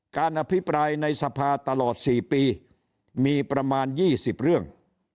การอภิปรายในสภาตลอด๔ปีมีประมาณ๒๐เรื่อง